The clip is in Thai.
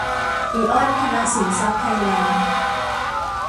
อิออน ธนสินทรัพย์ ไทยแลนด์